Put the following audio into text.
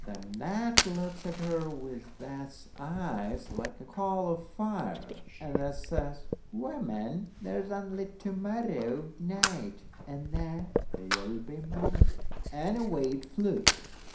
Then that looks at her with that's eyes like a coal o' fire, and that says: "Woman, there's only to morrow night, and then you'll be mine!" And away it flew.